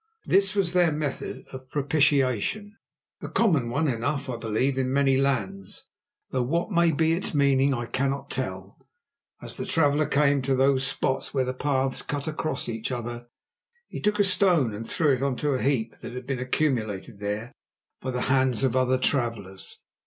This was their method of propitiation, a common one enough, I believe, in many lands, though what may be its meaning I cannot tell. As the traveller came to those spots where the paths cut across each other, he took a stone and threw it on to a heap that had been accumulated there by the hands of other travellers.